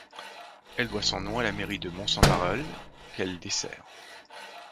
Elle doit son nom à la mairie de Mons-en-Barœul, qu'elle dessert.